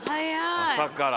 朝から。